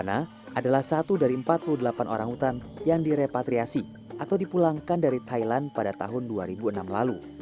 nana adalah satu dari empat puluh delapan orang hutan yang direpatriasi atau dipulangkan dari thailand pada tahun dua ribu enam lalu